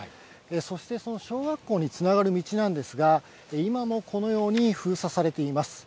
そしてその小学校につながる道なんですが、今もこのように封鎖されています。